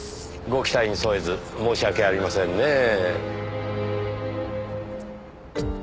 ご期待に沿えず申し訳ありませんねぇ。